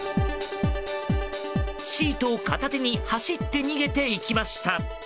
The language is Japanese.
シート片手に走って逃げていきました。